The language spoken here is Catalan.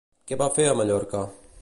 Què va fer a Mallorca?